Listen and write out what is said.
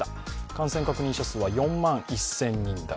感染確認者数は４万１０００人台。